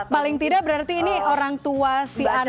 paling tidak berarti ini orang tua si anak